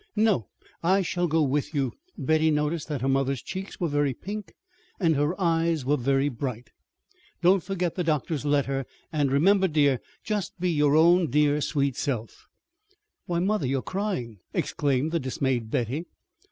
"No, I shall go with you." Betty noticed that her mother's cheeks were very pink and her eyes very bright. "Don't forget the doctor's letter; and remember, dear, just be be your own dear sweet self." "Why, mother, you're crying!" exclaimed the dismayed Betty.